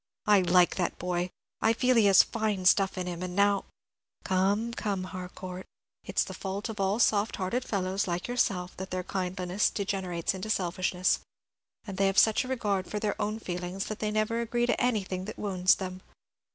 I like that boy; I feel he has fine stuff in him; and now " "Come, come, Harcourt, it's the fault of all soft hearted fellows, like yourself, that their kindliness degenerates into selfishness, and they have such a regard for their own feelings that they never agree to anything that wounds them.